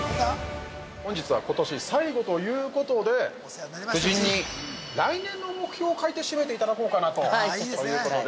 ◆本日はことし最後ということで夫人に来年の目標を書いて締めていただこうかなということで。